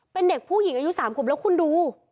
เป็นเด็กผู้หญิงอายุ๓ขวบแล้วคุณดู